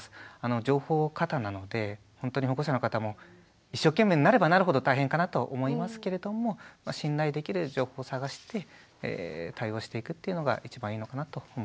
情報過多なのでほんとに保護者の方も一生懸命になればなるほど大変かなと思いますけれども信頼できる情報を探して対応していくっていうのが一番いいのかなと思います。